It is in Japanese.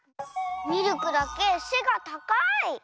ミルクだけせがたかい！